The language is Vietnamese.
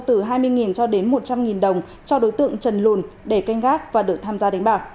từ hai mươi cho đến một trăm linh đồng cho đối tượng trần lùn để canh gác và được tham gia đánh bạc